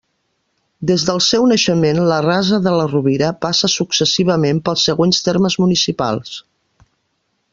Des del seu naixement, la Rasa de la Rovira passa successivament pels següents termes municipals.